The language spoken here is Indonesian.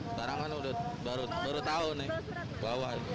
sekarang kan baru tahu nih